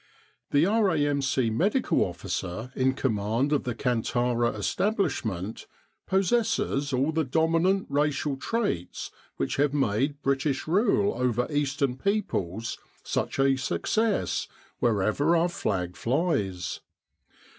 The R.A.M.C. Medical Officer in command of the Kantara establishment possesses all the dominant racial traits which have made British rule over Eastern peoples such a success wherever our flag flies.